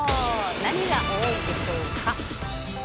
何が多いでしょうか。